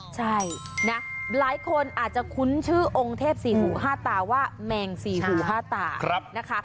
ใช่นะหลายคนอาจจะคุ้นชื่อองค์เทพสี่หูห้าตาว่าแมงสี่หูห้าตานะคะ